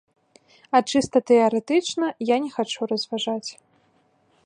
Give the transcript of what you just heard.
А чыста тэарэтычна я не хачу разважаць.